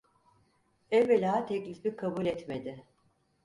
Evvela teklifi kabul etmedi.